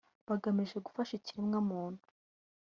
bagamije gufasha ikiremwamuntu